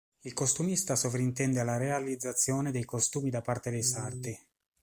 Il costumista sovrintende alla realizzazione dei costumi da parte dei sarti.